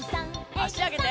あしあげて。